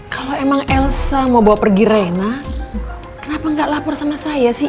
kalau emang elsa mau bawa pergi reina kenapa nggak lapor sama saya sih